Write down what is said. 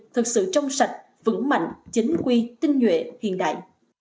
thật sự trong sạch vững mạnh chính quy tinh nhuệ hiện đại